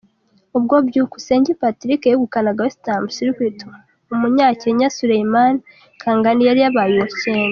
Ubwo Byukusenge Patrick yegukanaga Western Circuit, Umunakenya Suleyman Kangangi yari yabaye uwa cyenda.